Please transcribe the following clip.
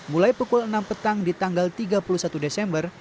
mulai pukul enam petang di tanggal tiga puluh satu desember